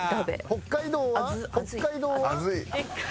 「北海道は？」